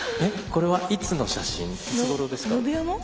これはいつの写真ですか？